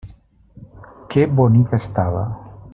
Que bonica estava!